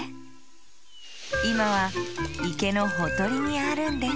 いまはいけのほとりにあるんです